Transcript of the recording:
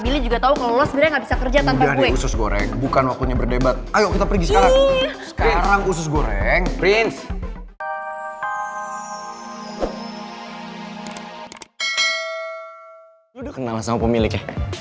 lu udah kenal sama pemiliknya